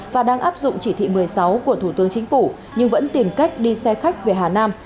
và đang áp dụng chỉ thị một mươi sáu của thủ tướng chính phủ nhưng vẫn tìm cách đi xe khách về hà nam